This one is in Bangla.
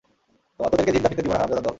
তোদেরকে জিন্দা ফিরতে দিবো না, হারামজাদার দল!